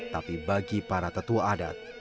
tapi bagi para tetua adat